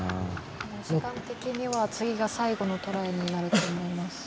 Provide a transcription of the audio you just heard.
時間的には次が最後のトライになると思います。